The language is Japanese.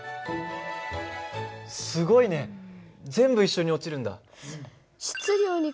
すごいね全部一緒に落ちるんだ。